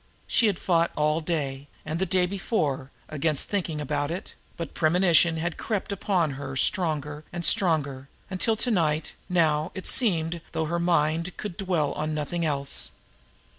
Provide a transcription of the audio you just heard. She had fought all day, and the days before, against thinking about it, but premonition had crept upon her stronger and stronger, until to night, now, it seemed as though her mind could dwell on nothing else.